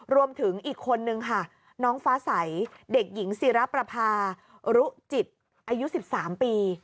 รวมถึงอีกคนนึงค่ะน้องฟ้าใสเด็กหญิงศิรประพารุจิตอายุ๑๓ปี